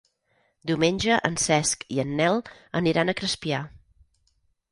Diumenge en Cesc i en Nel aniran a Crespià.